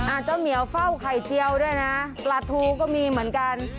เจ้าเหมียวเฝ้าไข่เจียวด้วยนะปลาทูก็มีเหมือนกัน